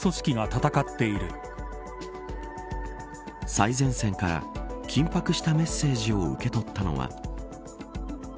最前線から緊迫したメッセージを受け取ったのは。